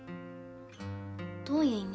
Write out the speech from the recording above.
どういう意味？